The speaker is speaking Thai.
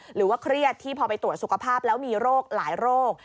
หรือว่าเครียดที่พอไปตรวจสุขภาพแล้วมีโรคหลายโรค